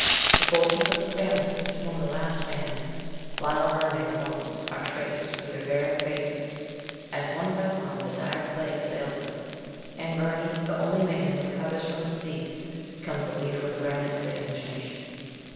The fortunes of the family, to whom the last man, Lionel Verney, belongs, are traced through their varying phases, as one by one the dire plague assails them, and Verney, the only man who recovers from the disease, becomes the leader of the remnant of the English nation.